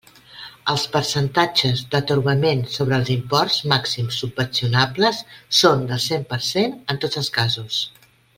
Els percentatges d'atorgament sobre els imports màxims subvencionables són del cent per cent en tots els casos.